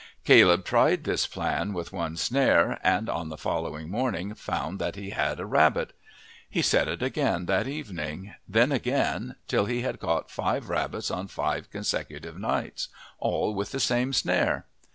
Caleb tried this plan with one snare, and on the following morning found that he had a rabbit. He set it again that evening, then again, until he had caught five rabbits on five consecutive nights, all with the same snare.